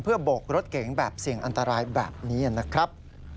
โบกรถเก๋งแบบเสี่ยงอันตรายแบบนี้นะครับ